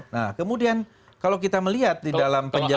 nah kemudian kalau kita melihat di dalam penjelasan